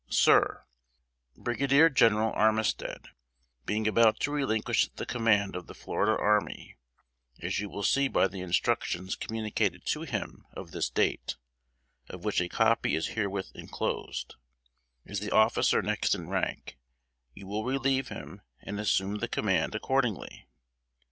"SIR: Brigadier General Armistead, being about to relinquish the command of the Florida Army, as you will see by the instructions communicated to him of this date, of which a copy is herewith enclosed; as the officer next in rank, you will relieve him and assume the command accordingly.